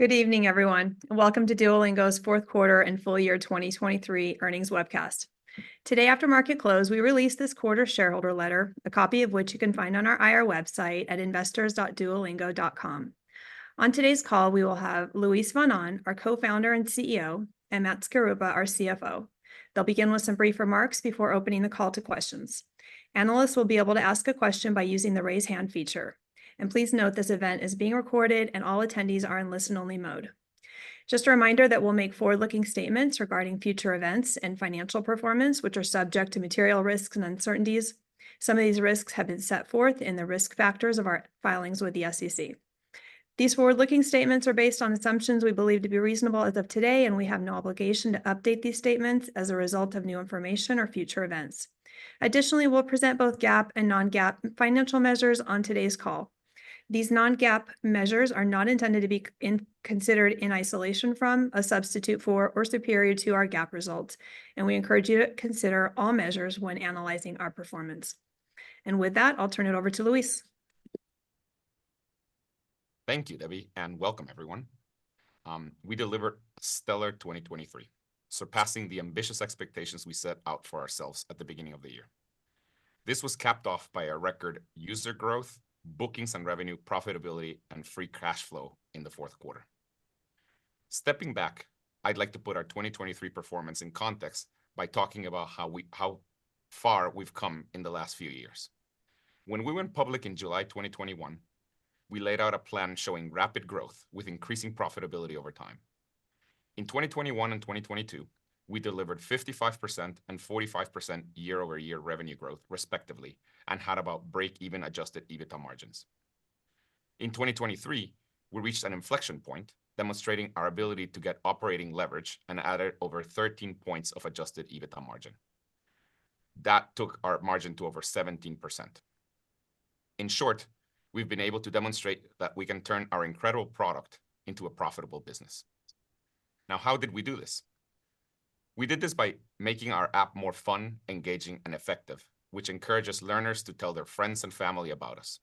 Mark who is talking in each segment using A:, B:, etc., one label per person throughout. A: Good evening, everyone, and welcome to Duolingo's fourth quarter and full year 2023 earnings webcast. Today, after market close, we released this quarter shareholder letter, a copy of which you can find on our IR website at investors.duolingo.com. On today's call, we will have Luis von Ahn, our co-founder and CEO, and Matt Skaruppa, our CFO. They'll begin with some brief remarks before opening the call to questions. Analysts will be able to ask a question by using the Raise Hand feature. And please note, this event is being recorded, and all attendees are in listen-only mode. Just a reminder that we'll make forward-looking statements regarding future events and financial performance, which are subject to material risks and uncertainties. Some of these risks have been set forth in the risk factors of our filings with the SEC. These forward-looking statements are based on assumptions we believe to be reasonable as of today, and we have no obligation to update these statements as a result of new information or future events. Additionally, we'll present both GAAP and non-GAAP financial measures on today's call. These non-GAAP measures are not intended to be considered in isolation from, a substitute for, or superior to our GAAP results, and we encourage you to consider all measures when analyzing our performance. With that, I'll turn it over to Luis.
B: Thank you, Debbie, and welcome, everyone. We delivered a stellar 2023, surpassing the ambitious expectations we set out for ourselves at the beginning of the year. This was capped off by a record user growth, bookings and revenue profitability, and free cash flow in the fourth quarter. Stepping back, I'd like to put our 2023 performance in context by talking about how far we've come in the last few years. When we went public in July 2021, we laid out a plan showing rapid growth with increasing profitability over time. In 2021 and 2022, we delivered 55% and 45% year-over-year revenue growth, respectively, and had about break-even adjusted EBITDA margins. In 2023, we reached an inflection point, demonstrating our ability to get operating leverage and added over 13 points of adjusted EBITDA margin. That took our margin to over 17%. In short, we've been able to demonstrate that we can turn our incredible product into a profitable business. Now, how did we do this? We did this by making our app more fun, engaging, and effective, which encourages learners to tell their friends and family about us.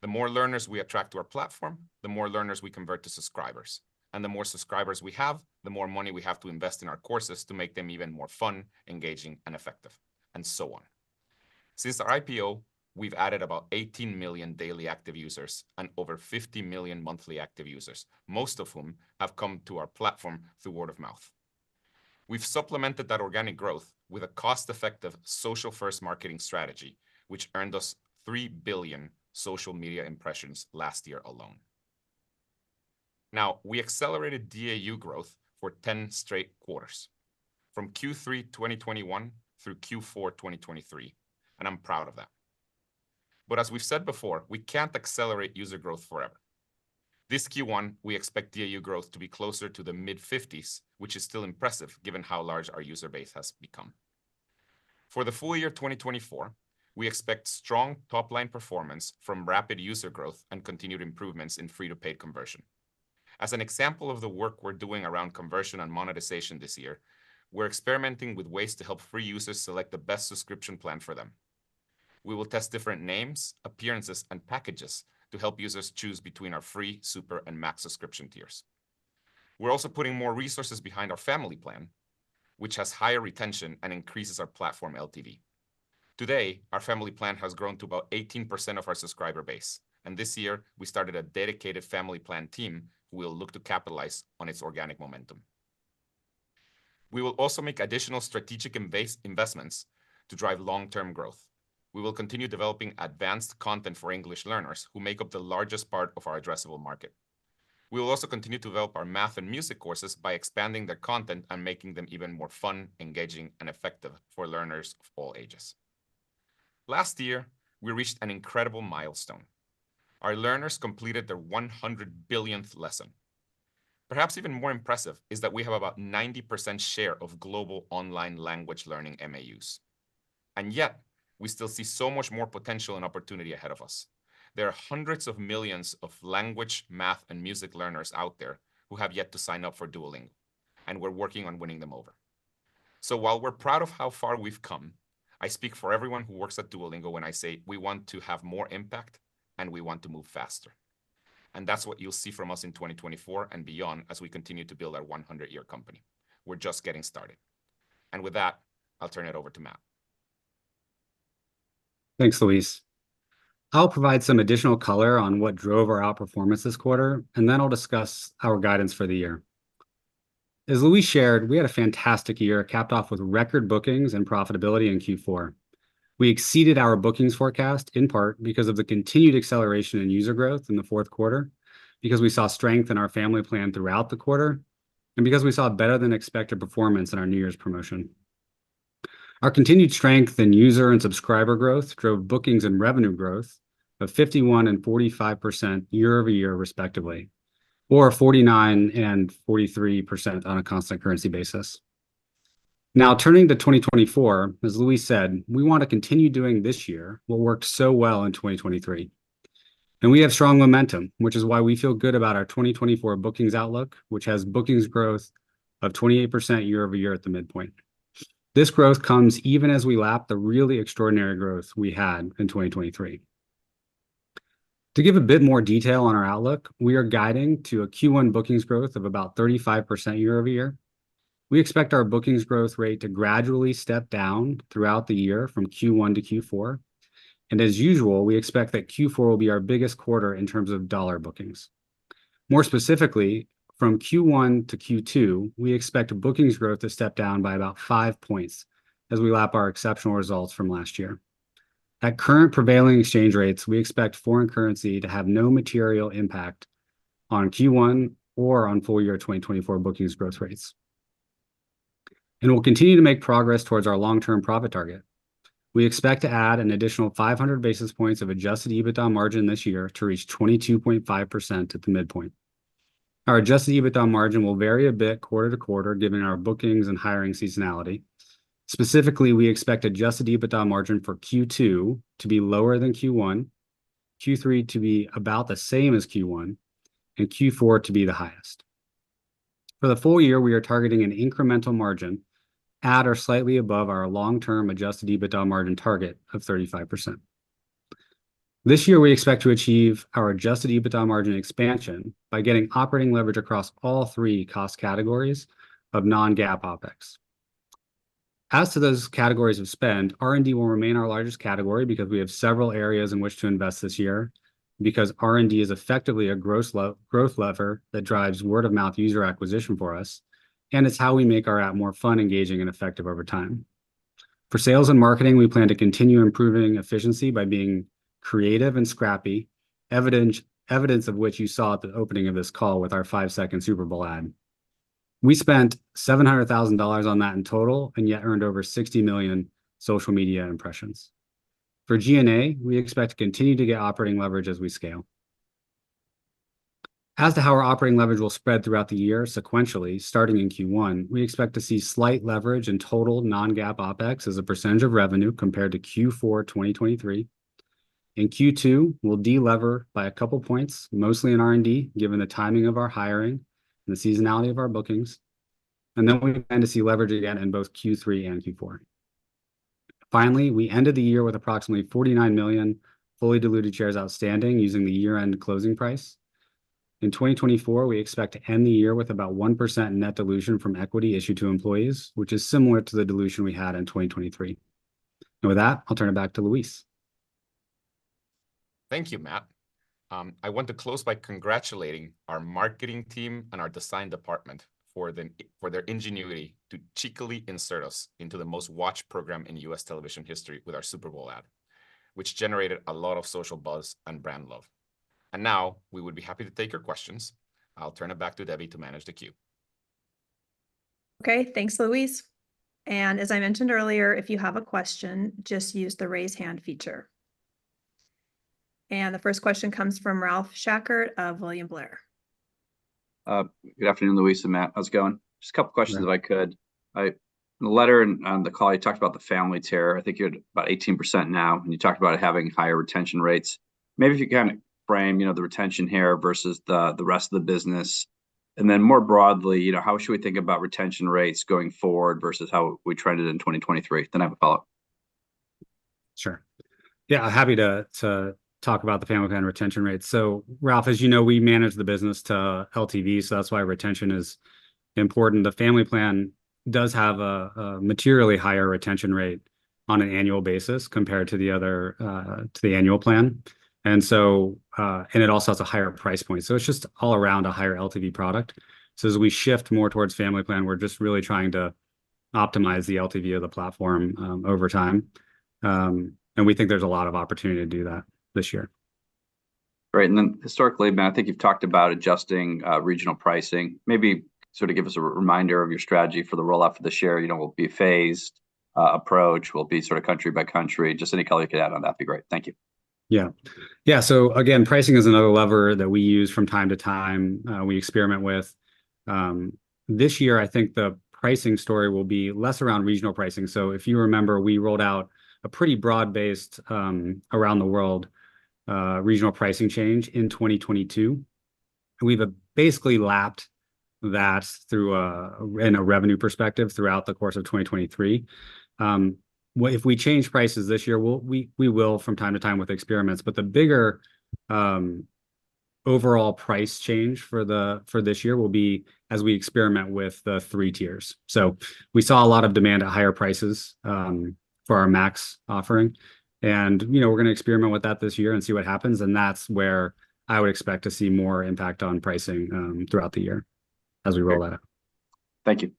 B: The more learners we attract to our platform, the more learners we convert to subscribers. And the more subscribers we have, the more money we have to invest in our courses to make them even more fun, engaging, and effective, and so on. Since our IPO, we've added about 18 million daily active users and over 50 million monthly active users, most of whom have come to our platform through word of mouth. We've supplemented that organic growth with a cost-effective, social-first marketing strategy, which earned us 3 billion social media impressions last year alone. Now, we accelerated DAU growth for 10 straight quarters, from Q3 2021 through Q4 2023, and I'm proud of that. But as we've said before, we can't accelerate user growth forever. This Q1, we expect DAU growth to be closer to the mid-50s%, which is still impressive, given how large our user base has become. For the full year of 2024, we expect strong top-line performance from rapid user growth and continued improvements in free-to-paid conversion. As an example of the work we're doing around conversion and monetization this year, we're experimenting with ways to help free users select the best subscription plan for them. We will test different names, appearances, and packages to help users choose between our free, Super, and Max subscription tiers. We're also putting more resources behind our Family Plan, which has higher retention and increases our platform LTV. Today, our Family Plan has grown to about 18% of our subscriber base, and this year we started a dedicated Family Plan team who will look to capitalize on its organic momentum. We will also make additional strategic investments to drive long-term growth. We will continue developing advanced content for English learners, who make up the largest part of our addressable market. We will also continue to develop our math courses and music courses by expanding their content and making them even more fun, engaging, and effective for learners of all ages. Last year, we reached an incredible milestone: Our learners completed their 100 billionth lesson. Perhaps even more impressive is that we have about 90% share of global online language learning MAUs, and yet we still see so much more potential and opportunity ahead of us. There are hundreds of millions of language, math, and music learners out there who have yet to sign up for Duolingo, and we're working on winning them over. While we're proud of how far we've come, I speak for everyone who works at Duolingo when I say we want to have more impact, and we want to move faster. That's what you'll see from us in 2024 and beyond as we continue to build our 100-year company. We're just getting started. With that, I'll turn it over to Matt.
C: Thanks, Luis. I'll provide some additional color on what drove our outperformance this quarter, and then I'll discuss our guidance for the year. As Luis shared, we had a fantastic year, capped off with record bookings and profitability in Q4. We exceeded our bookings forecast, in part because of the continued acceleration in user growth in the fourth quarter, because we saw strength in our Family Plan throughout the quarter, and because we saw better-than-expected performance in our New Year's promotion. Our continued strength in user and subscriber growth drove bookings and revenue growth of 51% and 45% year-over-year, respectively, or 49% and 43% on a constant currency basis. Now, turning to 2024, as Luis said, we want to continue doing this year what worked so well in 2023. We have strong momentum, which is why we feel good about our 2024 bookings outlook, which has bookings growth of 28% year-over-year at the midpoint. This growth comes even as we lap the really extraordinary growth we had in 2023. ... To give a bit more detail on our outlook, we are guiding to a Q1 bookings growth of about 35% year-over-year. We expect our bookings growth rate to gradually step down throughout the year from Q1 to Q4, and as usual, we expect that Q4 will be our biggest quarter in terms of dollar bookings. More specifically, from Q1 to Q2, we expect bookings growth to step down by about 5 points as we lap our exceptional results from last year. At current prevailing exchange rates, we expect foreign currency to have no material impact on Q1 or on full-year 2024 bookings growth rates. We'll continue to make progress towards our long-term profit target. We expect to add an additional 500 basis points of adjusted EBITDA margin this year to reach 22.5% at the midpoint. Our adjusted EBITDA margin will vary a bit quarter to quarter, given our bookings and hiring seasonality. Specifically, we expect adjusted EBITDA margin for Q2 to be lower than Q1, Q3 to be about the same as Q1, and Q4 to be the highest. For the full year, we are targeting an incremental margin at or slightly above our long-term adjusted EBITDA margin target of 35%. This year, we expect to achieve our adjusted EBITDA margin expansion by getting operating leverage across all three cost categories of non-GAAP OpEx. As to those categories of spend, R&D will remain our largest category because we have several areas in which to invest this year, because R&D is effectively a growth lever that drives word-of-mouth user acquisition for us, and it's how we make our app more fun, engaging, and effective over time. For sales and marketing, we plan to continue improving efficiency by being creative and scrappy, evidence of which you saw at the opening of this call with our 5-second Super Bowl ad. We spent $700,000 on that in total, and yet earned over 60 million social media impressions. For G&A, we expect to continue to get operating leverage as we scale. As to how our operating leverage will spread throughout the year sequentially, starting in Q1, we expect to see slight leverage in total non-GAAP OpEx as a percentage of revenue compared to Q4 2023. In Q2, we'll de-lever by a couple points, mostly in R&D, given the timing of our hiring and the seasonality of our bookings. And then we plan to see leverage again in both Q3 and Q4. Finally, we ended the year with approximately 49 million fully diluted shares outstanding, using the year-end closing price. In 2024, we expect to end the year with about 1% net dilution from equity issued to employees, which is similar to the dilution we had in 2023. With that, I'll turn it back to Luis.
B: Thank you, Matt. I want to close by congratulating our marketing team and our design department for their ingenuity to cheekily insert us into the most-watched program in U.S. television history with our Super Bowl ad, which generated a lot of social buzz and brand love. And now, we would be happy to take your questions. I'll turn it back to Debbie to manage the queue.
A: Okay, thanks, Luis. As I mentioned earlier, if you have a question, just use the Raise Hand feature. The first question comes from Ralph Schackart of William Blair.
D: Good afternoon, Luis and Matt. How's it going? Just a couple questions, if I could. In the letter on the call, you talked about the Family Plan. I think you're at about 18% now, and you talked about it having higher retention rates. Maybe if you can frame, you know, the retention here versus the rest of the business. And then more broadly, you know, how should we think about retention rates going forward versus how we trended in 2023? Then I have a follow-up.
C: Sure. Yeah, happy to talk about the Family Plan retention rates. So Ralph, as you know, we manage the business to LTV, so that's why retention is important. The Family Plan does have a materially higher retention rate on an annual basis compared to the other, to the annual plan. And so, and it also has a higher price point, so it's just all around a higher LTV product. So as we shift more towards Family Plan, we're just really trying to optimize the LTV of the platform over time. And we think there's a lot of opportunity to do that this year.
D: Great, and then historically, Matt, I think you've talked about adjusting regional pricing. Maybe sort of give us a reminder of your strategy for the rollout for this year. You know, will it be a phased approach? Will it be sort of country by country? Just any color you could add on that would be great. Thank you.
C: Yeah. Yeah, so again, pricing is another lever that we use from time to time, we experiment with. This year, I think the pricing story will be less around regional pricing. So if you remember, we rolled out a pretty broad-based, around the world, regional pricing change in 2022. We've basically lapped that through, in a revenue perspective throughout the course of 2023. Well, if we change prices this year, we'll, we will from time to time with experiments. But the bigger, overall price change for the, for this year will be as we experiment with the three tiers. So we saw a lot of demand at higher prices, for our Max offering, and, you know, we're gonna experiment with that this year and see what happens, and that's where I would expect to see more impact on pricing, throughout the year as we roll that out.
D: Thank you.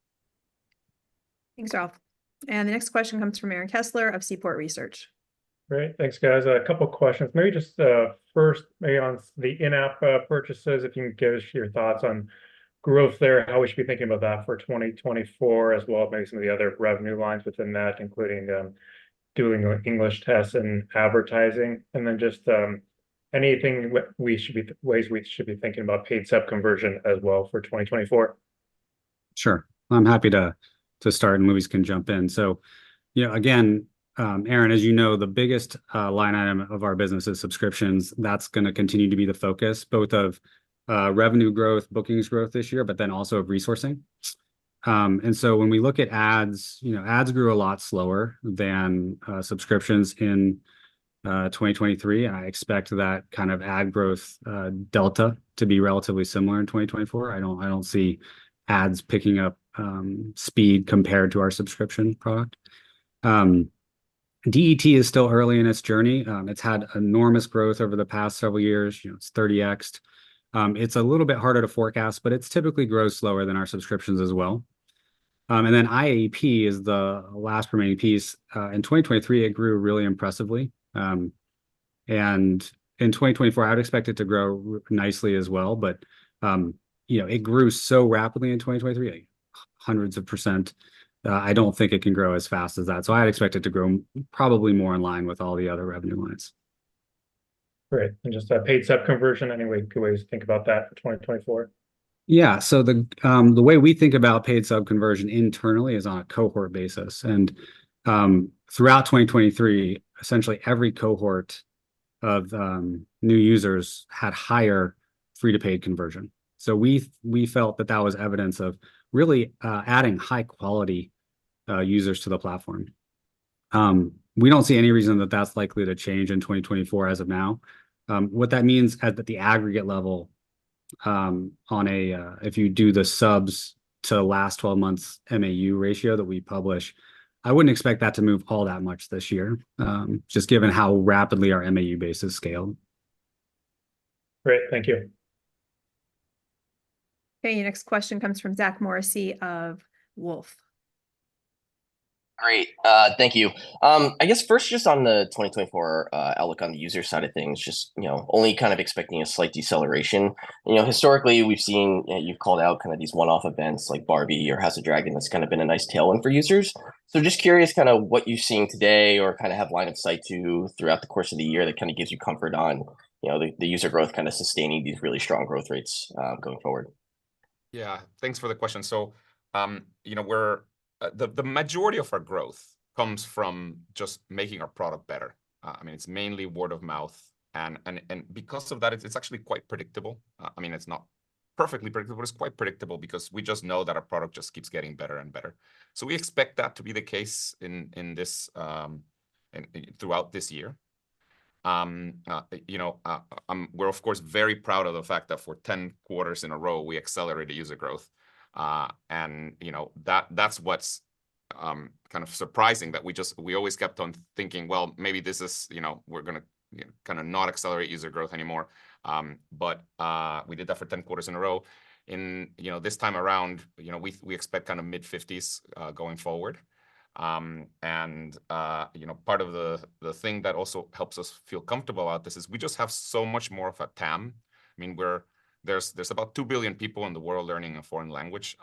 A: Thanks, Ralph. The next question comes from Aaron Kessler of Seaport Research.
E: Great. Thanks, guys. A couple questions. Maybe just first, maybe on the in-app purchases, if you can give us your thoughts on growth there, how we should be thinking about that for 2024, as well as maybe some of the other revenue lines within that, including Duolingo English Test and advertising. And then just anything ways we should be thinking about paid sub conversion as well for 2024?
C: Sure. I'm happy to start, and Luis can jump in. So, you know, again, Aaron, as you know, the biggest line item of our business is subscriptions. That's gonna continue to be the focus, both of revenue growth, bookings growth this year, but then also of resourcing. And so when we look at ads, you know, ads grew a lot slower than subscriptions in 2023. I expect that kind of ad growth delta to be relatively similar in 2024. I don't see ads picking up speed compared to our subscription product. DET is still early in its journey. It's had enormous growth over the past several years. You know, it's 30x'd. It's a little bit harder to forecast, but it typically grows slower than our subscriptions as well. And then IAP is the last remaining piece. In 2023, it grew really impressively. And in 2024, I would expect it to grow nicely as well, but, you know, it grew so rapidly in 2023, like hundreds of %. I don't think it can grow as fast as that. So I'd expect it to grow probably more in line with all the other revenue lines.
E: Great, and just a paid sub conversion, any way—good ways to think about that for 2024?
C: Yeah. So the way we think about paid sub conversion internally is on a cohort basis. And throughout 2023, essentially every cohort of new users had higher free-to-paid conversion. So we felt that that was evidence of really adding high-quality users to the platform. We don't see any reason that that's likely to change in 2024 as of now. What that means at the aggregate level, on a... If you do the subs to last 12 months MAU ratio that we publish, I wouldn't expect that to move all that much this year, just given how rapidly our MAU base has scaled.
E: Great. Thank you.
A: Okay, your next question comes from Zach Morrissey of Wolfe.
F: Great. Thank you. I guess first, just on the 2024 outlook on the user side of things, just, you know, only kind of expecting a slight deceleration. You know, historically, we've seen, you've called out kind of these one-off events like Barbie or House of the Dragon, that's kind of been a nice tailwind for users. So just curious, kind of what you're seeing today or kinda have line of sight to throughout the course of the year that kinda gives you comfort on, you know, the, the user growth kinda sustaining these really strong growth rates, going forward.
B: Yeah. Thanks for the question. So, you know, we're the majority of our growth comes from just making our product better. I mean, it's mainly word of mouth, and because of that, it's actually quite predictable. I mean, it's not perfectly predictable, but it's quite predictable because we just know that our product just keeps getting better and better. So we expect that to be the case in this, in, throughout this year. You know, we're of course very proud of the fact that for 10 quarters in a row, we accelerated user growth. And you know, that, that's what's kind of surprising, that we just—we always kept on thinking, well, maybe this is, you know, we're gonna, you know, kinda not accelerate user growth anymore. But, we did that for 10 quarters in a row. In, you know, this time around, you know, we, we expect kind of mid-50s, going forward. And, you know, part of the, the thing that also helps us feel comfortable about this is we just have so much more of a TAM. I mean, we're—there's, there's about 2 billion people in the world learning a foreign language.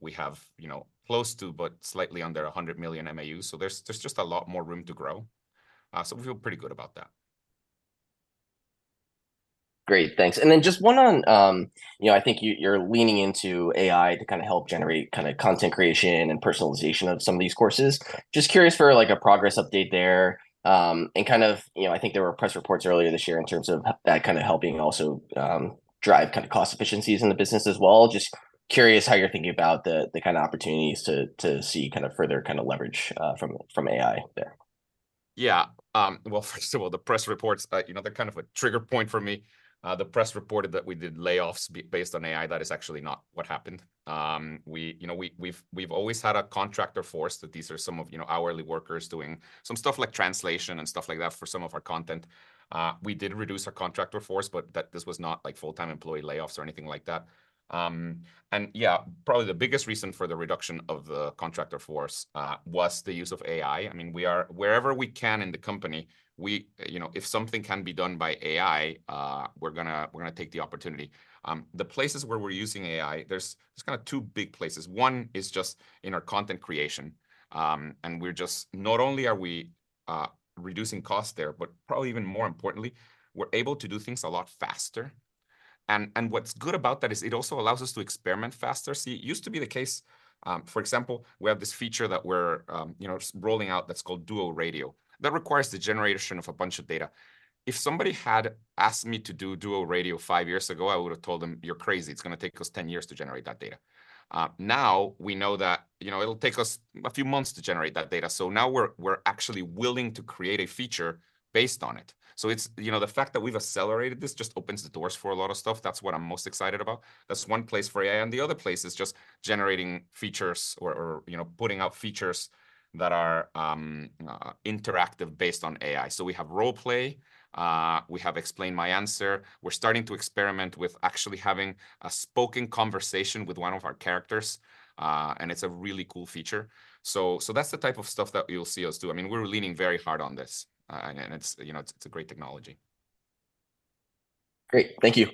B: We have, you know, close to, but slightly under 100 million MAUs, so there's, there's just a lot more room to grow. So we feel pretty good about that.
F: Great, thanks. And then just one on, you know, I think you're leaning into AI to kind of help generate kinda content creation and personalization of some of these courses. Just curious for, like, a progress update there, and kind of, you know, I think there were press reports earlier this year in terms of that kind of helping also, drive kind of cost efficiencies in the business as well. Just curious how you're thinking about the kind of opportunities to see kind of further kinda leverage, from AI there.
B: Yeah, well, first of all, the press reports, you know, they're kind of a trigger point for me. The press reported that we did layoffs based on AI, that is actually not what happened. We, you know, we've always had a contractor force, that these are some of, you know, hourly workers doing some stuff like translation and stuff like that for some of our content. We did reduce our contractor force, but that. This was not like full-time employee layoffs or anything like that. And yeah, probably the biggest reason for the reduction of the contractor force was the use of AI. I mean, we are wherever we can in the company, we, you know, if something can be done by AI, we're gonna take the opportunity. The places where we're using AI, there's kind of two big places. One is just in our content creation, and we're just not only are we reducing costs there, but probably even more importantly, we're able to do things a lot faster. What's good about that is it also allows us to experiment faster. See, it used to be the case, for example, we have this feature that we're, you know, rolling out that's called Duo Radio, that requires the generation of a bunch of data. If somebody had asked me to do Duo Radio five years ago, I would have told them, "You're crazy. It's gonna take us 10 years to generate that data." Now, we know that, you know, it'll take us a few months to generate that data. So now we're actually willing to create a feature based on it. So it's, you know, the fact that we've accelerated this just opens the doors for a lot of stuff. That's what I'm most excited about. That's one place for AI, and the other place is just generating features or, you know, putting out features that are interactive based on AI. So we have Roleplay, we have Explain My Answer. We're starting to experiment with actually having a spoken conversation with one of our characters, and it's a really cool feature. So that's the type of stuff that you'll see us do. I mean, we're leaning very hard on this, and it's, you know, it's a great technology.
F: Great. Thank you.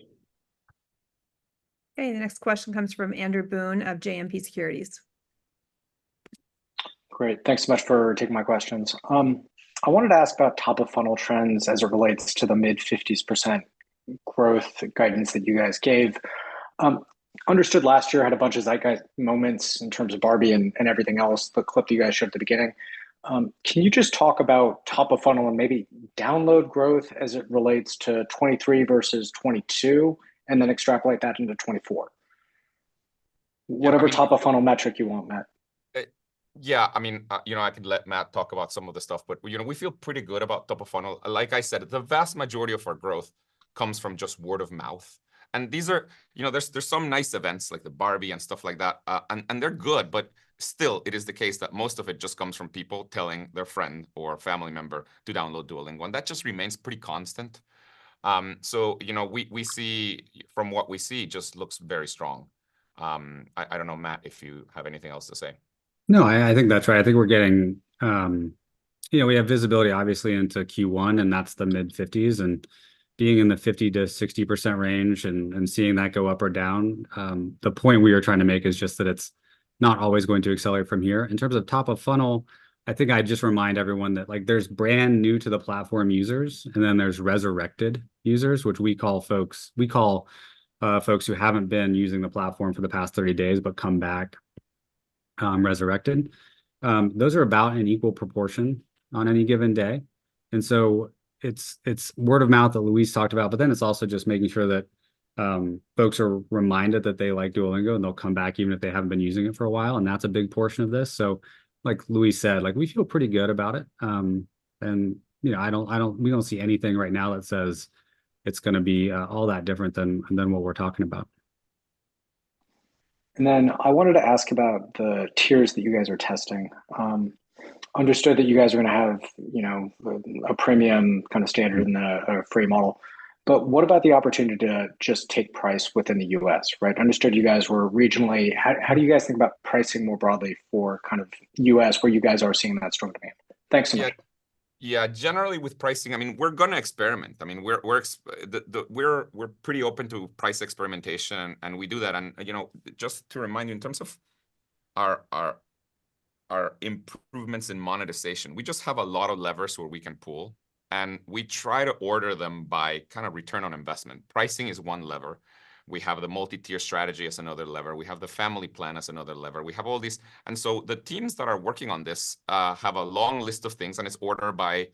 A: Okay, the next question comes from Andrew Boone, of JMP Securities.
G: Great. Thanks so much for taking my questions. I wanted to ask about top-of-funnel trends as it relates to the mid-50s% growth guidance that you guys gave. Understood last year had a bunch of zeitgeist moments in terms of Barbie and everything else, the clip that you guys showed at the beginning.... Can you just talk about top of funnel and maybe download growth as it relates to 2023 versus 2022, and then extrapolate that into 2024?
B: Yeah.
G: Whatever top of funnel metric you want, Matt.
B: Yeah, I mean, you know, I can let Matt talk about some of the stuff, but, you know, we feel pretty good about top of funnel. Like I said, the vast majority of our growth comes from just word of mouth, and these are. You know, there's some nice events, like the Barbie and stuff like that, and they're good, but still, it is the case that most of it just comes from people telling their friend or family member to download Duolingo, and that just remains pretty constant. So, you know, we see, from what we see, just looks very strong. I don't know, Matt, if you have anything else to say.
C: No, I, I think that's right. I think we're getting... You know, we have visibility obviously into Q1, and that's the mid-50s, and being in the 50%-60% range and, and seeing that go up or down, the point we are trying to make is just that it's not always going to accelerate from here. In terms of top of funnel, I think I'd just remind everyone that, like, there's brand new to the platform users, and then there's resurrected users, which we call folks who haven't been using the platform for the past 30 days, but come back, resurrected. Those are about in equal proportion on any given day, and so it's word-of-mouth that Luis talked about, but then it's also just making sure that folks are reminded that they like Duolingo, and they'll come back even if they haven't been using it for a while, and that's a big portion of this. So, like Luis said, like, we feel pretty good about it. And, you know, I don't—we don't see anything right now that says it's gonna be all that different than what we're talking about.
G: Then I wanted to ask about the tiers that you guys are testing. Understood that you guys are gonna have, you know, a premium, kind of, standard and a free model, but what about the opportunity to just take price within the U.S., right? Understood you guys were regionally... How do you guys think about pricing more broadly for, kind of, U.S., where you guys are seeing that strong demand? Thanks so much.
B: Yeah. Yeah, generally with pricing, I mean, we're gonna experiment. I mean, we're pretty open to price experimentation, and we do that. And, you know, just to remind you, in terms of our improvements in monetization, we just have a lot of levers where we can pull, and we try to order them by kind of return on investment. Pricing is one lever. We have the multi-tier strategy as another lever. We have the Family Plan as another lever. We have all these... And so, the teams that are working on this have a long list of things, and it's ordered by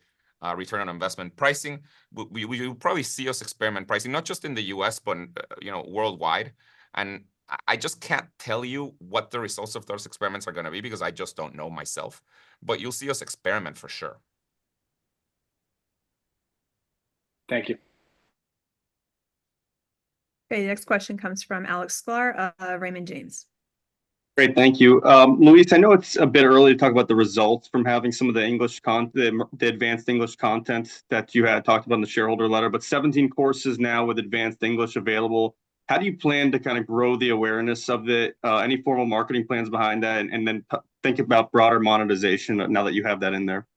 B: return on investment. Pricing, we, you'll probably see us experiment pricing, not just in the US, but, you know, worldwide, and I, I just can't tell you what the results of those experiments are gonna be because I just don't know myself. But you'll see us experiment for sure.
G: Thank you.
A: Okay, the next question comes from Alex Sklar of Raymond James.
H: Great, thank you. Luis, I know it's a bit early to talk about the results from having some of the English content that you had talked about in the shareholder letter, but 17 courses now with advanced English available. How do you plan to kind of grow the awareness of it? Any formal marketing plans behind that, and then think about broader monetization now that you have that in there?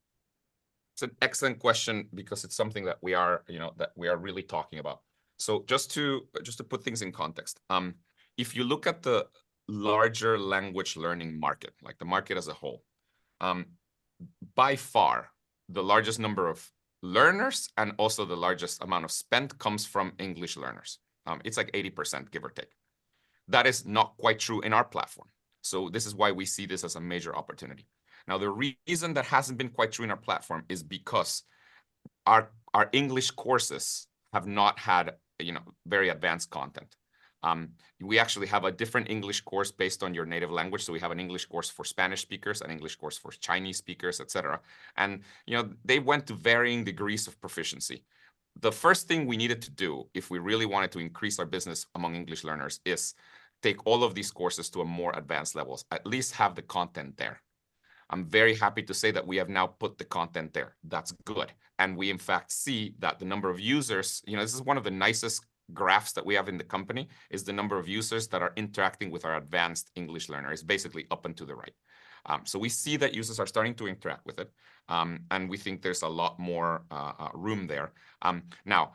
B: It's an excellent question because it's something that we are, you know, that we are really talking about. So just to put things in context, if you look at the larger language learning market, like the market as a whole, by far, the largest number of learners and also the largest amount of spend comes from English learners. It's like 80%, give or take. That is not quite true in our platform, so this is why we see this as a major opportunity. Now, the reason that hasn't been quite true in our platform is because our, our English courses have not had, you know, very advanced content. We actually have a different English course based on your native language, so we have an English course for Spanish speakers, an English course for Chinese speakers, et cetera. You know, they went to varying degrees of proficiency. The first thing we needed to do if we really wanted to increase our business among English learners is take all of these courses to a more advanced levels, at least have the content there. I'm very happy to say that we have now put the content there. That's good, and we, in fact, see that the number of users... You know, this is one of the nicest graphs that we have in the company, is the number of users that are interacting with our advanced English learners, basically up and to the right. So we see that users are starting to interact with it, and we think there's a lot more room there. Now,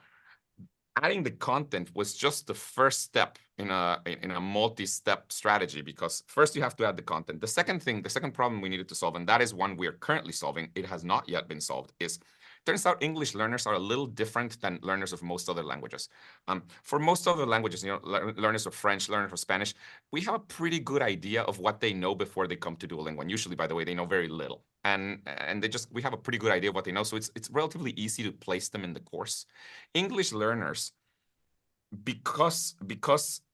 B: adding the content was just the first step in a multi-step strategy, because first you have to add the content. The second thing, the second problem we needed to solve, and that is one we are currently solving, it has not yet been solved, is, turns out, English learners are a little different than learners of most other languages. For most other languages, you know, learners of French, learners of Spanish, we have a pretty good idea of what they know before they come to Duolingo, and usually, by the way, they know very little. We have a pretty good idea of what they know, so it's relatively easy to place them in the course. English learners, because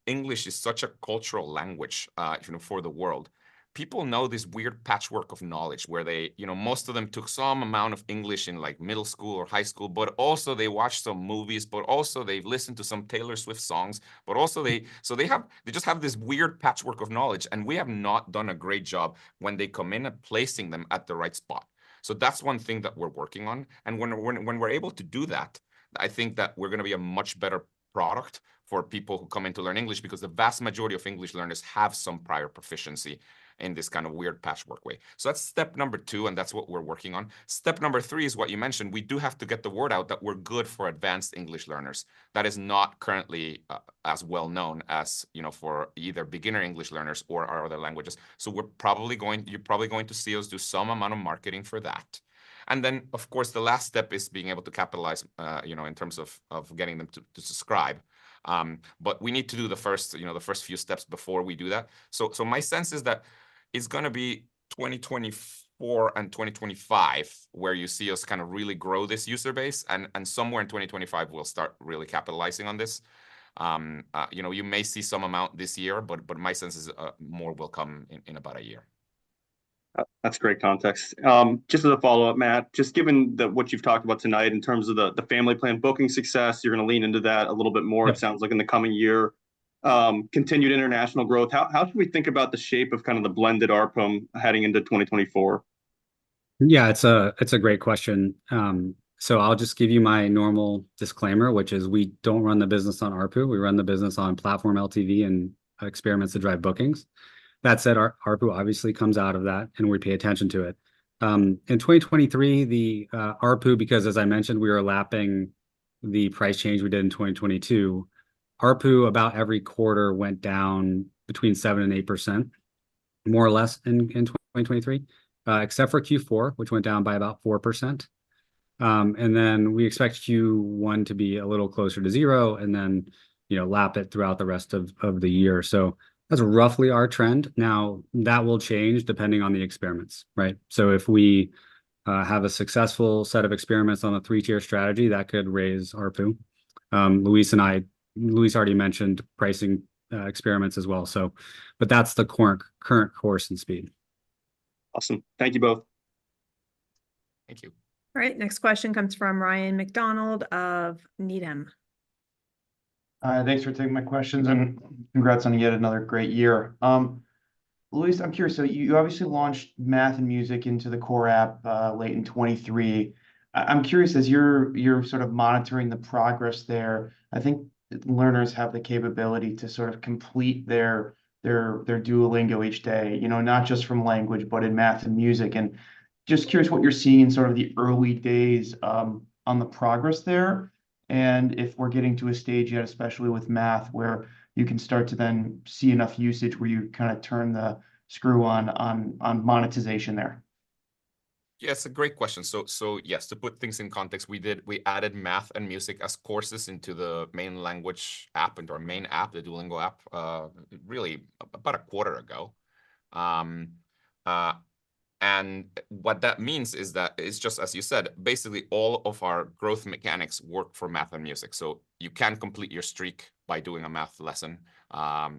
B: English is such a cultural language, you know, for the world, people know this weird patchwork of knowledge, where they, you know, most of them took some amount of English in, like, middle school or high school, but also they watched some movies, but also they've listened to some Taylor Swift songs, but also they. So they have they just have this weird patchwork of knowledge, and we have not done a great job when they come in at placing them at the right spot. So that's one thing that we're working on. And when we're able to do that, I think that we're gonna be a much better product for people who come in to learn English, because the vast majority of English learners have some prior proficiency in this kind of weird patchwork way. So that's step number two, and that's what we're working on. Step number three is what you mentioned, we do have to get the word out that we're good for advanced English learners. That is not currently as well known as, you know, for either beginner English learners or our other languages. So we're probably going. You're probably going to see us do some amount of marketing for that. And then, of course, the last step is being able to capitalize, you know, in terms of getting them to subscribe. But we need to do the first, you know, the first few steps before we do that. So, so my sense is that it's gonna be 2024 and 2025 where you see us kind of really grow this user base, and, and somewhere in 2025, we'll start really capitalizing on this. You know, you may see some amount this year, but my sense is, more will come in about a year.
H: That's great context. Just as a follow-up, Matt, just given what you've talked about tonight in terms of the family plan booking success, you're gonna lean into that a little bit more?
B: Yeah...
H: it sounds like in the coming year, continued international growth, how should we think about the shape of kind of the blended ARPU heading into 2024?
C: Yeah, it's a great question. So I'll just give you my normal disclaimer, which is, we don't run the business on ARPU, we run the business on platform LTV and experiments to drive bookings. That said, our ARPU obviously comes out of that, and we pay attention to it. In 2023, the ARPU, because, as I mentioned, we are lapping the price change we did in 2022, ARPU, about every quarter, went down between 7%-8%, more or less, in 2023. Except for Q4, which went down by about 4%. And then we expect Q1 to be a little closer to zero, and then, you know, lap it throughout the rest of the year. So that's roughly our trend. Now, that will change depending on the experiments, right? So if we have a successful set of experiments on a three-tier strategy, that could raise ARPU. Luis and I... Luis already mentioned pricing experiments as well, so but that's the current, current course and speed.
H: Awesome. Thank you both.
C: Thank you.
A: All right, next question comes from Ryan McDonald of Needham.
I: Thanks for taking my questions-
B: Mm-hmm.
I: Congrats on yet another great year. Luis, I'm curious, so you obviously launched math and music into the core app late in 2023. I'm curious, as you're monitoring the progress there, I think learners have the capability to complete their Duolingo each day, you know, not just from language, but in math and music. Just curious what you're seeing in the early days on the progress there, and if we're getting to a stage yet, especially with math, where you can start to see enough usage, where you kind of turn the screw on monetization there?
B: Yeah, it's a great question. So yes, to put things in context, we did. We added math and music as courses into the main language app and our main app, the Duolingo app, really about a quarter ago. And what that means is that it's just as you said, basically all of our growth mechanics work for math and music, so you can complete your streak by doing a math lesson.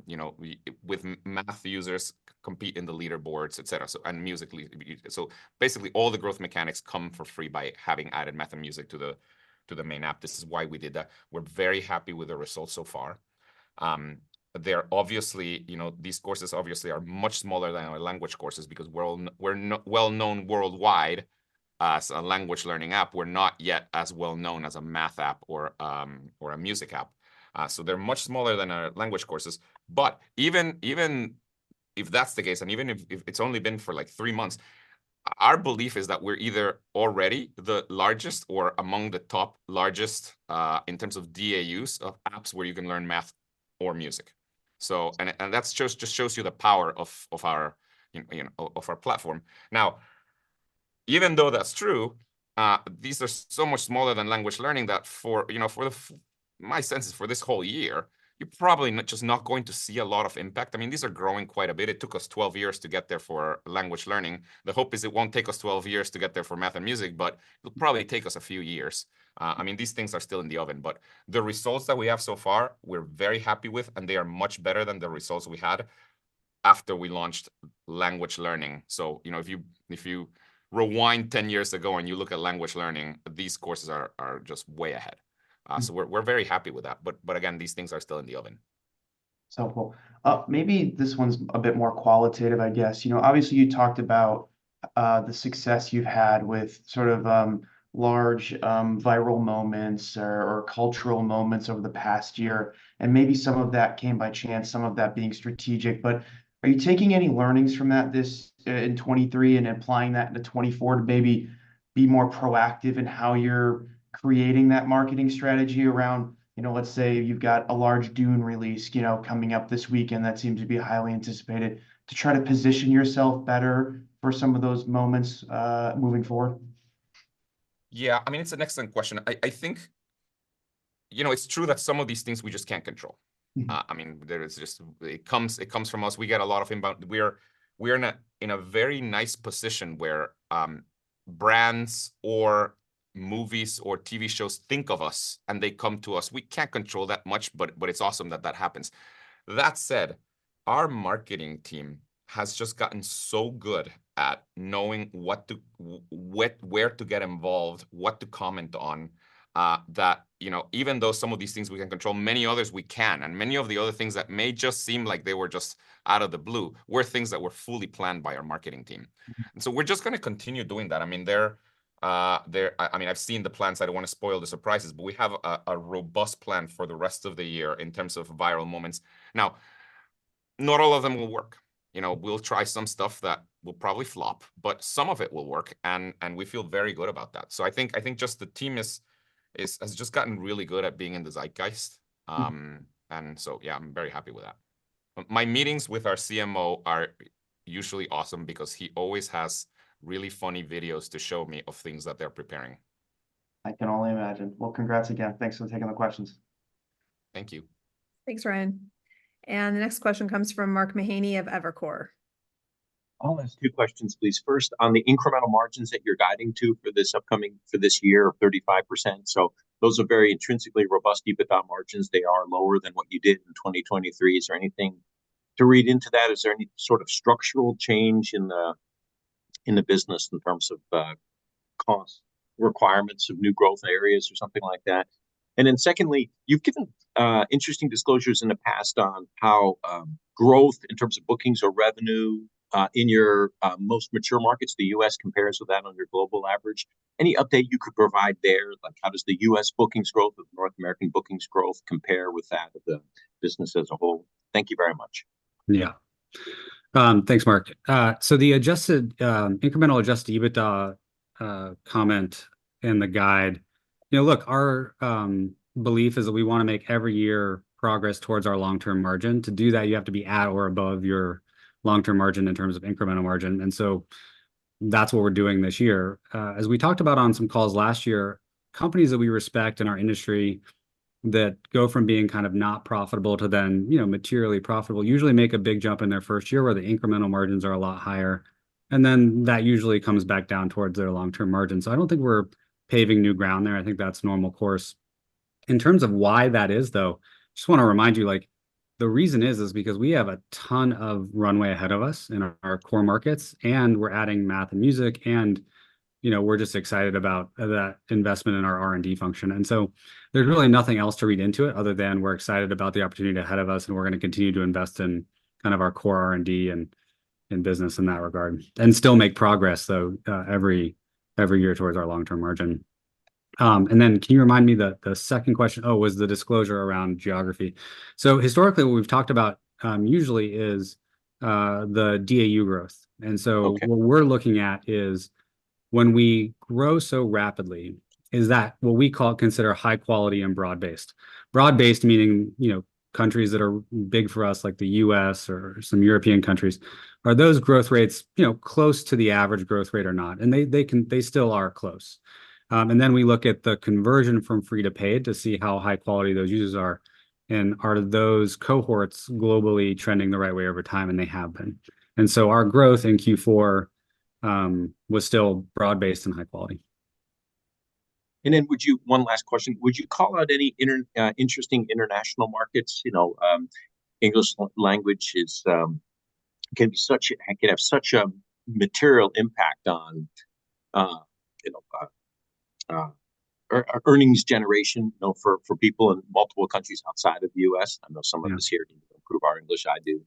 B: You know, we, with math users compete in the leaderboards, et cetera, so and musically. So basically, all the growth mechanics come for free by having added math and music to the main app. This is why we did that. We're very happy with the results so far. They're obviously, you know, these courses obviously are much smaller than our language courses because we're well known worldwide as a language learning app. We're not yet as well known as a math app or, or a music app. So they're much smaller than our language courses, but even if that's the case, and even if it's only been for like three months, our belief is that we're either already the largest or among the top largest in terms of DAUs of apps where you can learn math or music. And that's just shows you the power of our platform, you know. Now, even though that's true, these are so much smaller than language learning that for, you know, my sense is for this whole year, you're probably just not going to see a lot of impact. I mean, these are growing quite a bit. It took us 12 years to get there for language learning. The hope is it won't take us 12 years to get there for math and music, but it'll probably take us a few years. I mean, these things are still in the oven, but the results that we have so far, we're very happy with, and they are much better than the results we had after we launched language learning. So, you know, if you, if you rewind 10 years ago and you look at language learning, these courses are, are just way ahead.
I: Mm-hmm.
B: So we're very happy with that, but again, these things are still in the oven.
I: So cool. Maybe this one's a bit more qualitative, I guess. You know, obviously, you talked about the success you've had with sort of large viral moments or cultural moments over the past year, and maybe some of that came by chance, some of that being strategic. But are you taking any learnings from that, this in 2023 and applying that into 2024 to maybe be more proactive in how you're creating that marketing strategy around, you know, let's say you've got a large Dune release, you know, coming up this weekend that seems to be highly anticipated, to try to position yourself better for some of those moments moving forward?
B: Yeah, I mean, it's an excellent question. I, I think... You know, it's true that some of these things we just can't control.
I: Mm-hmm.
B: I mean, there is just, it comes, it comes from us. We get a lot of inbound. We are, we're in a, in a very nice position where brands or movies or TV shows think of us, and they come to us. We can't control that much, but, but it's awesome that that happens. That said, our marketing team has just gotten so good at knowing what to, where to get involved, what to comment on, that, you know, even though some of these things we can control, many others we can't. And many of the other things that may just seem like they were just out of the blue, were things that were fully planned by our marketing team.
I: Mm-hmm.
B: So we're just gonna continue doing that. I mean, they're. I mean, I've seen the plans. I don't wanna spoil the surprises, but we have a robust plan for the rest of the year in terms of viral moments. Now, not all of them will work, you know. We'll try some stuff that will probably flop, but some of it will work, and we feel very good about that. So I think just the team is, has just gotten really good at being in the zeitgeist.
I: Mm-hmm.
B: And so yeah, I'm very happy with that. My meetings with our CMO are usually awesome, because he always has really funny videos to show me of things that they're preparing.
I: I can only imagine. Well, congrats again. Thanks for taking the questions.
B: Thank you.
A: Thanks, Ryan. And the next question comes from Mark Mahaney of Evercore.
J: I'll ask two questions, please. First, on the incremental margins that you're guiding to for this upcoming, for this year, 35%. So those are very intrinsically robust EBITDA margins. They are lower than what you did in 2023. Is there anything to read into that? Is there any sort of structural change in the business in terms of cost requirements of new growth areas or something like that? And then secondly, you've given interesting disclosures in the past on how growth in terms of bookings or revenue in your most mature markets, the U.S. compares with that on your global average. Any update you could provide there? Like, how does the U.S. bookings growth or North American bookings growth compare with that of the business as a whole? Thank you very much.
C: Yeah. Thanks, Mark. So the adjusted incremental adjusted EBITDA comment in the guide... Now, look, our belief is that we wanna make every year progress towards our long-term margin. To do that, you have to be at or above your long-term margin in terms of incremental margin, and so that's what we're doing this year. As we talked about on some calls last year, companies that we respect in our industry that go from being kind of not profitable to then, you know, materially profitable, usually make a big jump in their first year, where the incremental margins are a lot higher. And then, that usually comes back down towards their long-term margin. So I don't think we're paving new ground there. I think that's normal course. In terms of why that is, though, just wanna remind you, like, the reason is because we have a ton of runway ahead of us in our core markets, and we're adding math and music, and, you know, we're just excited about that investment in our R&D function. And so there's really nothing else to read into it, other than we're excited about the opportunity ahead of us, and we're gonna continue to invest in kind of our core R&D and business in that regard. And still make progress, though, every year towards our long-term margin. And then can you remind me the second question? Oh, was the disclosure around geography. So historically, what we've talked about usually is the DAU growth.
J: Okay.
C: And so what we're looking at is when we grow so rapidly, is that what we consider high quality and broad-based? Broad-based meaning, you know, countries that are big for us, like the U.S. or some European countries. Are those growth rates, you know, close to the average growth rate or not? And they still are close. And then we look at the conversion from free to paid to see how high quality those users are, and are those cohorts globally trending the right way over time? And they have been. And so our growth in Q4 was still broad-based and high quality.
J: One last question. Would you call out any interesting international markets? You know, English language is, can be such a, can have such a material impact on, you know, earnings generation, you know, for, for people in multiple countries outside of the US.
C: Yeah.
J: I know some of us here need to improve our English. I do.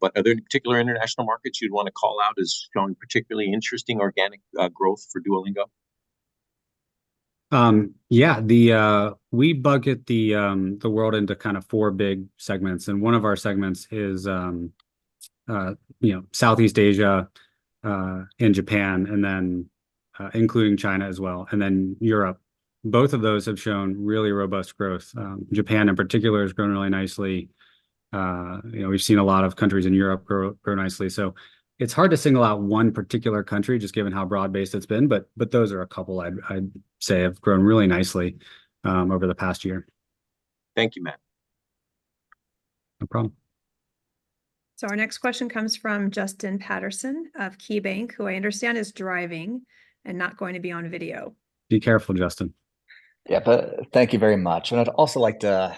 J: But are there any particular international markets you'd wanna call out as showing particularly interesting organic growth for Duolingo?
C: Yeah, we bucket the world into kinda four big segments, and one of our segments is, you know, Southeast Asia, and Japan, and then including China as well, and then Europe. Both of those have shown really robust growth. Japan in particular has grown really nicely. You know, we've seen a lot of countries in Europe grow nicely, so it's hard to single out one particular country, just given how broad-based it's been. But those are a couple I'd say have grown really nicely over the past year.
J: Thank you, Matt.
C: No problem.
A: Our next question comes from Justin Patterson of KeyBanc, who I understand is driving and not going to be on video.
C: Be careful, Justin.
K: Yeah, but thank you very much, and I'd also like to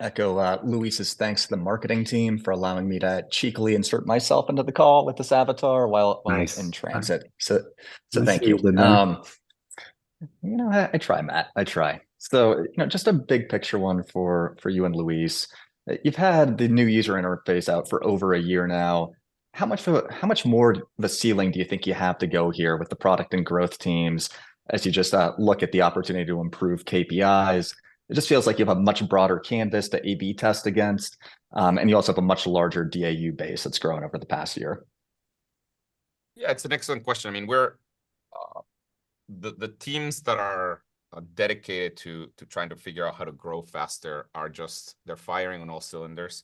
K: echo Luis' thanks to the marketing team for allowing me to cheekily insert myself into the call with this avatar while-
C: Nice...
K: I'm in transit. So, so thank you.
C: We see you, Justin.
K: You know, I, I try, Matt, I try. So, you know, just a big picture one for you and Luis. You've had the new user interface out for over a year now. How much more of the ceiling do you think you have to go here with the product and growth teams as you just look at the opportunity to improve KPIs? It just feels like you have a much broader canvas to A/B test against, and you also have a much larger DAU base that's grown over the past year.
B: Yeah, it's an excellent question. I mean, we're the teams that are dedicated to trying to figure out how to grow faster are just firing on all cylinders.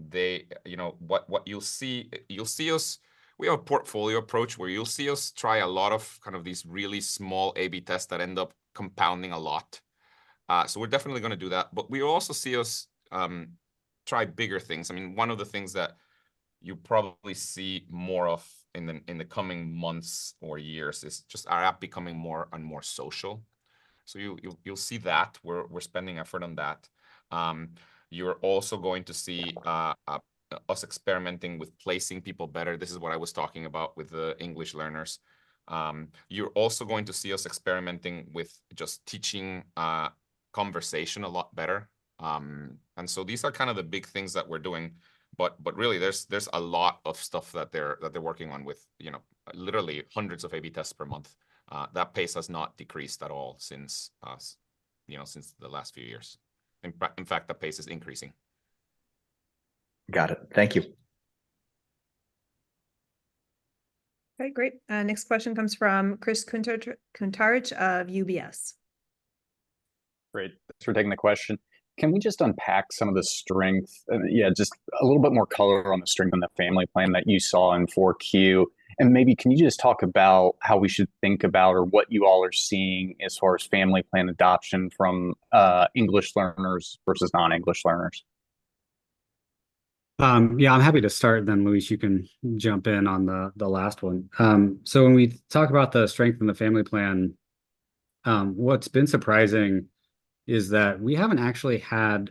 B: They you know what you'll see, you'll see us. We have a portfolio approach, where you'll see us try a lot of kind of these really small A/B tests that end up compounding a lot. So we're definitely gonna do that. But we also see us try bigger things. I mean, one of the things that you'll probably see more of in the coming months or years is just our app becoming more and more social. So you'll see that. We're spending effort on that. You're also going to see us experimenting with placing people better. This is what I was talking about with the English learners. You're also going to see us experimenting with just teaching conversation a lot better. And so these are kind of the big things that we're doing, but really, there's a lot of stuff that they're working on with, you know, literally hundreds of A/B tests per month. That pace has not decreased at all since, you know, since the last few years. In fact, the pace is increasing.
K: Got it. Thank you....
A: All right, great. Next question comes from Chris Kuntarich of UBS.
L: Great. Thanks for taking the question. Can we just unpack some of the strength, yeah, just a little bit more color on the strength on the Family Plan that you saw in 4Q? And maybe can you just talk about how we should think about or what you all are seeing as far as Family Plan adoption from, English learners versus non-English learners?
C: Yeah, I'm happy to start, then Luis, you can jump in on the last one. So when we talk about the strength in the family plan, what's been surprising is that we haven't actually had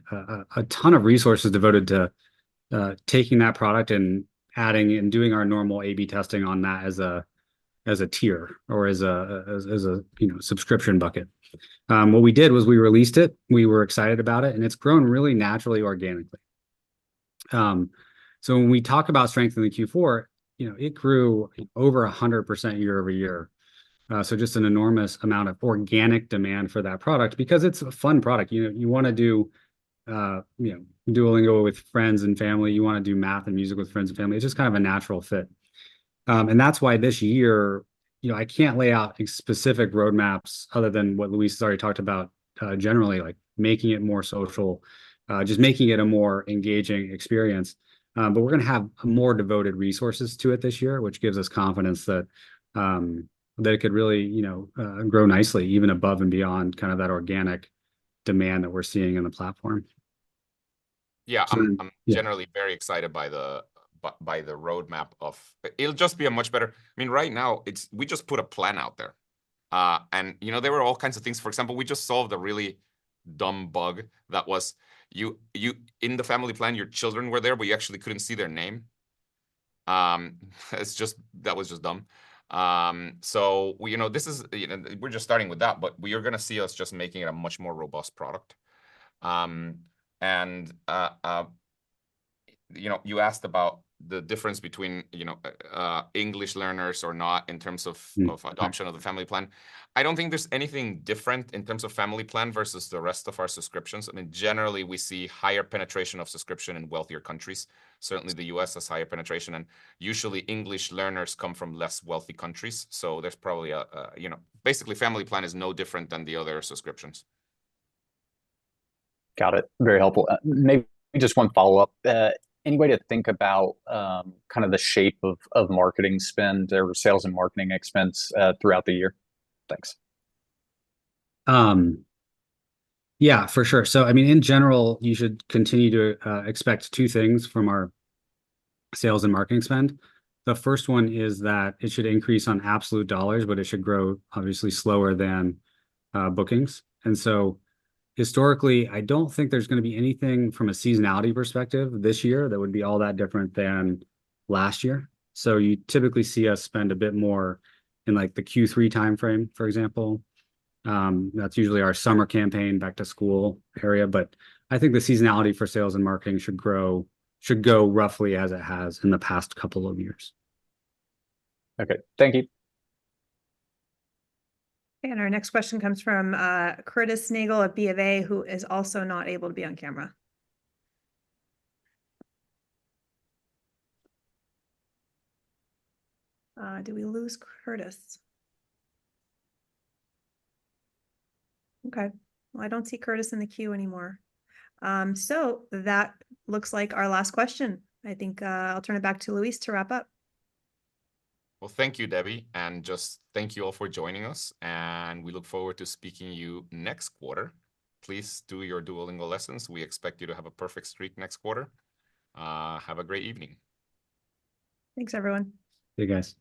C: a ton of resources devoted to taking that product and adding and doing our normal A/B testing on that as a tier or as a subscription bucket. What we did was we released it, we were excited about it, and it's grown really naturally organically. So when we talk about strength in the Q4, you know, it grew over 100% year-over-year. So just an enormous amount of organic demand for that product because it's a fun product. You know, you wanna do, you know, Duolingo with friends and family, you wanna do math and music with friends and family. It's just kind of a natural fit. And that's why this year, you know, I can't lay out specific roadmaps other than what Luis has already talked about, generally, like making it more social, just making it a more engaging experience. But we're gonna have more devoted resources to it this year, which gives us confidence that that it could really, you know, grow nicely even above and beyond kinda that organic demand that we're seeing in the platform.
B: Yeah-
C: So, yeah...
B: I'm generally very excited by the roadmap of. It'll just be a much better. I mean, right now, it's. We just put a plan out there. And, you know, there were all kinds of things. For example, we just solved a really dumb bug that was in the Family Plan, your children were there, but you actually couldn't see their name. It's just, that was just dumb. So we, you know, this is, you know, we're just starting with that, but we are gonna see us just making it a much more robust product. And, you know, you asked about the difference between, you know, English learners or not in terms of-
C: Mm, mm...
B: of adoption of the Family Plan. I don't think there's anything different in terms of Family Plan versus the rest of our subscriptions. I mean, generally, we see higher penetration of subscription in wealthier countries. Certainly, the U.S. has higher penetration, and usually English learners come from less wealthy countries. So there's probably, you know... Basically, Family Plan is no different than the other subscriptions.
L: Got it. Very helpful. Maybe just one follow-up. Any way to think about kind of the shape of marketing spend or sales and marketing expense throughout the year? Thanks.
C: Yeah, for sure. So I mean, in general, you should continue to expect two things from our sales and marketing spend. The first one is that it should increase on absolute dollars, but it should grow obviously slower than bookings. And so, historically, I don't think there's gonna be anything from a seasonality perspective this year that would be all that different than last year. So you typically see us spend a bit more in, like, the Q3 timeframe, for example. That's usually our summer campaign back to school area, but I think the seasonality for sales and marketing should grow, should go roughly as it has in the past couple of years.
L: Okay. Thank you.
A: Our next question comes from Curtis Nagle of BofA, who is also not able to be on camera. Did we lose Curtis? Okay, well, I don't see Curtis in the queue anymore. That looks like our last question. I think I'll turn it back to Luis to wrap up.
B: Well, thank you, Debbie, and just thank you all for joining us, and we look forward to speaking to you next quarter. Please do your Duolingo lessons. We expect you to have a perfect streak next quarter. Have a great evening.
A: Thanks, everyone.
C: Bye, guys.